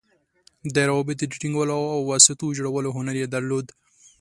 د روابطو د ټینګولو او واسطو جوړولو هنر یې درلود.